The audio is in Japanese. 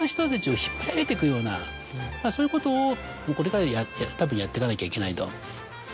ようなそういうことをこれからたぶんやっていかなきゃいけないと。